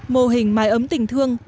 mô hình mái ấm tình thương